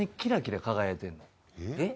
えっ？